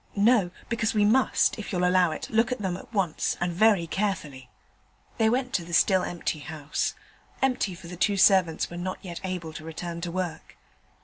No? because we must, if you'll allow it, look at them at once, and very carefully.' They went to the still empty house empty, for the two servants were not yet able to return to work.